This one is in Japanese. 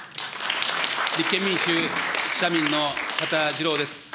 立憲民主・社民の羽田次郎です。